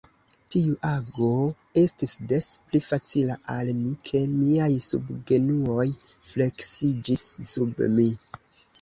Tiu ago estis des pli facila al mi, ke miaj subgenuoj fleksiĝis sub mi.